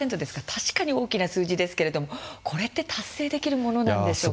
確かに大きな数字ですけれどもこれって達成できるものなんですか。